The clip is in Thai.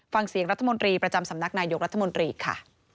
ฟังเสียงรัฐมนตรีประจำสำนักนายกรัฐมนตรีค่ะ